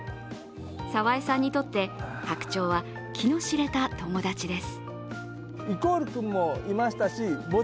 澤江さんにとって、白鳥は気の知れた友達です。